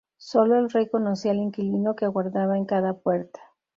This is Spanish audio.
Sólo el rey conocía al inquilino que aguardaba en cada puerta.